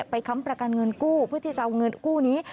ค้ำประกันเงินกู้เพื่อที่จะเอาเงินกู้นี้